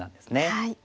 はい。